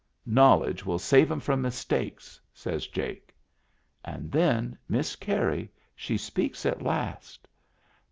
" Knowledge will save 'em from mistakes," says Jake. And then Miss Carey she speaks at last.